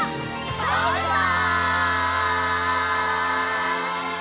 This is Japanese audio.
バイバイ！